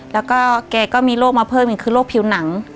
แล้วก็แกก็มีโรคมาเพิ่มอีกคือโรคผิวหนัง